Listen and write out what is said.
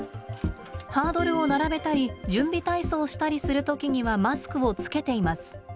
ハードルを並べたり準備体操したりする時にはマスクをつけています。